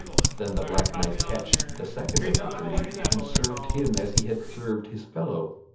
Then the black knight catched the second of the three, and served him as he had served his fellow.